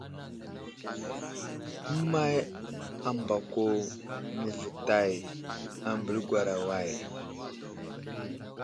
Əway ambako məvətay ambiliŋgwera way ?